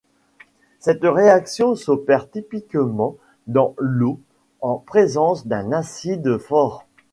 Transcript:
Cette réaction s'opère typiquement dans l'eau en présence d'un acide fort.